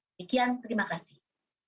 demikian terima kasih